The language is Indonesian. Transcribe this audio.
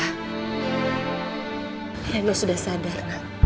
reno sudah sadar